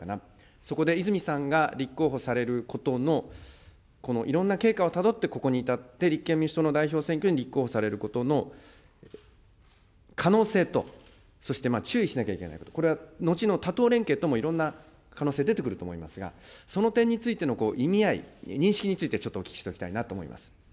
そこで泉さんが立候補されることの、このいろんな経過をたどって、ここに至って、立憲民主党の代表選挙に立候補されることの可能性と、そして注意しなきゃいけないこと、これは、後の他党連携ともいろんな可能性、出てくると思いますが、その点についての意味合い、認識について、ちょっとお聞きしておきたいなと思います。